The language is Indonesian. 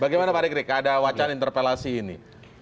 bagaimana pak rikrik ada wacana interpelasi ini